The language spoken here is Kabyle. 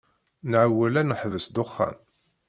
Nɛewwel ad neḥbes ddexxan.